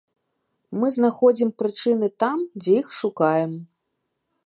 Мы знаходзім прычыны там, дзе іх шукаем.